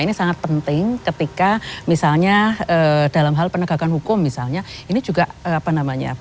ini sangat penting ketika misalnya dalam hal penegakan hukum misalnya ini juga apa namanya